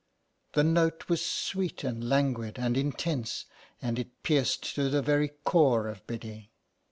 The note was sweet and languid and intense, and it pierced to the very core of Biddy.